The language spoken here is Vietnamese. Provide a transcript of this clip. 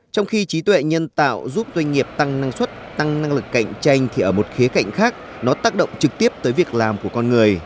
trong khi trí tuệ nhân tạo giúp doanh nghiệp tăng năng suất tăng năng lực cạnh tranh thì ở một khía cạnh khác nó tác động trực tiếp tới việc làm của con người